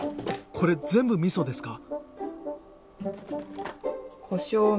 これ全部みそですか？